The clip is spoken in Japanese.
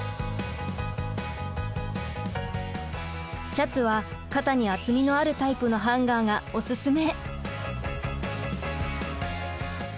シャツは肩に厚みのあるタイプのハンガーがおすすめ！